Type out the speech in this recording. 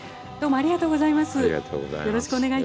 ありがとうございます。